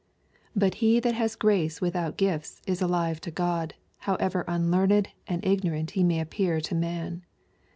But he thai has grace without gifts is alive to God, however unlearned and ignorant he may appear to man.